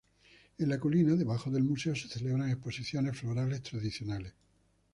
En la colina debajo del museo, se celebran exposiciones florales tradicionales.